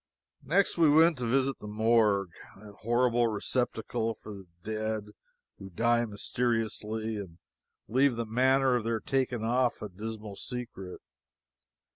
Next we went to visit the Morgue, that horrible receptacle for the dead who die mysteriously and leave the manner of their taking off a dismal secret.